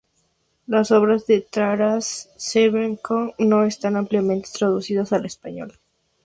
Las obras de Taras Shevchenko no están ampliamente traducidas al español.